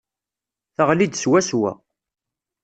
Teɣli-d swaswa.